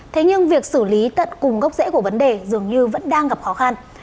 thế nhưng việc xử lý tận cùng gốc rễ của vấn đề dường như vẫn đang gặp khó khăn